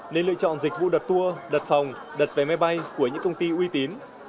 nên lựa chọn dịch vụ đặt tour đặt phòng đặt vé máy bay của những công ty uy tín